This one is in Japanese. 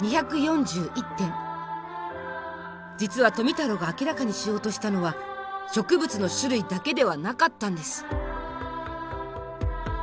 実は富太郎が明らかにしようとしたのは植物の種類だけではなかったんです。